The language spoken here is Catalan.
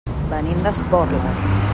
Venim d'Esporles.